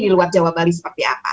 di luar jawa bali seperti apa